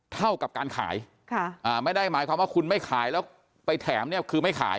เท่ากับการขายไม่ได้หมายความว่าคุณไม่ขายแล้วไปแถมเนี่ยคือไม่ขาย